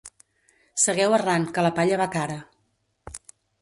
Segueu arran, que la palla va cara.